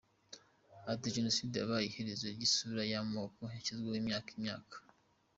Ati“Jenoside yabaye iherezo ry’isura y’amoko yashyizweho imyaka n’imyaka.